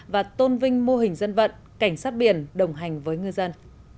và tôn vinh mô hình dân vận cảnh sát biển đồng hành với ngư dân